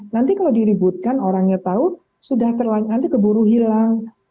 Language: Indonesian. nanti kalau diributkan orangnya tahu sudah nanti keburu hilang